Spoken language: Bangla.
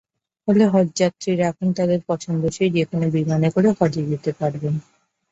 ফলে হজযাত্রীরা এখন তাঁদের পছন্দসই যেকোনো বিমানে করে হজে যেতে পারবেন।